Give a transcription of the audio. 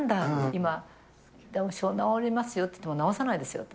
今、ダウン症治りますよっていっても、治さないですよ、私。